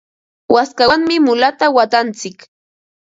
waskawanmi mulata watantsik.